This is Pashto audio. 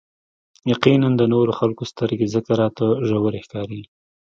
يقيناً د نورو خلکو سترګې ځکه راته ژورې ښکاري.